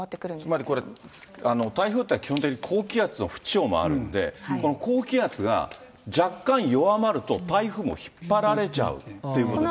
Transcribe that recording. つまりこれ、台風というのは基本的に高気圧の縁を回るんで、この高気圧が若干弱まると、台風も引っ張られちゃうということですね。